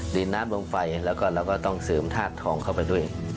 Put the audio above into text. ดินนัดลงไฟแล้วก็ต้องเสริมธาตุทองเข้าไปด้วย